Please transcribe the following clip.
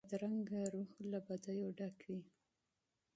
بدرنګه روح له بدیو ډک وي